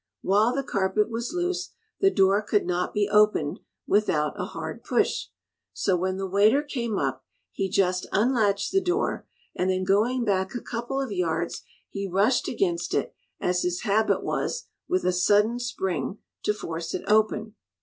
While the carpet was loose the door could not be opened without a hard push; so when the waiter came up, he just unlatched the door, and then going back a couple of yards, he rushed against it, as his habit was, with a sudden spring, to force it open.